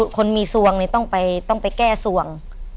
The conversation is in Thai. คนมีสวงต้องไปแก้ส่วง